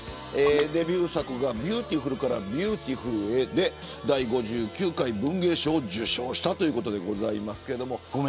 デビュー作がビューティフルからビューティフルへで第５９回文藝賞を受賞したということです。